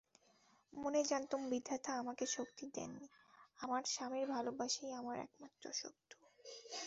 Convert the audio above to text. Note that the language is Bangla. মনে জানতুম বিধাতা আমাকে শক্তি দেন নি, আমার স্বামীর ভালোবাসাই আমার একমাত্র শক্তি।